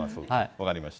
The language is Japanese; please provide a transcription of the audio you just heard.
分かりました。